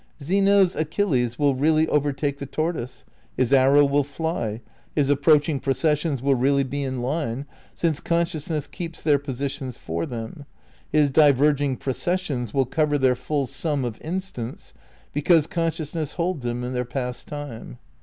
Zeno's Achilles will really overtake the tortoise, his arrow will fly, his approaching processions wiU really be in line, since consciousness keeps their positions for them, his diverging processions will cover their full sum of instants, because consciousness holds them in their past time.